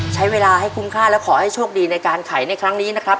ใช้เวลาให้คุ้มค่าและขอให้โชคดีในการไขในครั้งนี้นะครับ